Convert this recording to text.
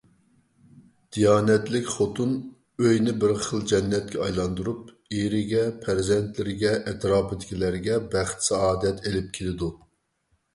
دىيانەتلىك خوتۇن ئۆينى بىر خىل جەننەتكە ئايلاندۇرۇپ، ئېرىگە، پەرزەنتلىرىگە، ئەتراپىدىكىلەرگە بەخت-سائادەت ئېلىپ كېلىدۇ.